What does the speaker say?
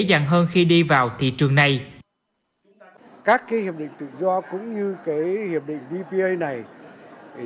dàng hơn khi đi vào thị trường này các cái hiệp định tự do cũng như cái hiệp định vpa này